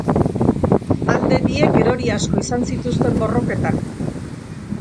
Alde biek erori asko izan zituzten borroketan.